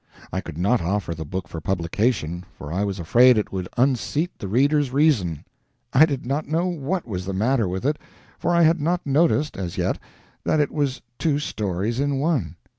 I could not offer the book for publication, for I was afraid it would unseat the reader's reason. I did not know what was the matter with it, for I had not noticed, as yet, that it was two stories in one.